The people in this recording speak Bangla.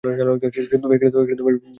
যুদ্ধ কোনো বিকল্প নয়।